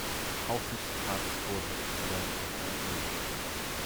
Aufsichtsratsvorsitzender der OÖ.